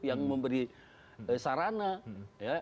yang memberi sarana ya